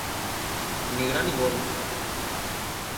Ni gra ni boll.